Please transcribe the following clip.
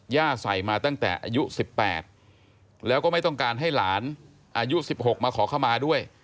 ใส่มาตั้งแต่อายุ๑๘แล้วก็ไม่ต้องการให้หลานอายุ๑๖มาขอเข้ามาด้วย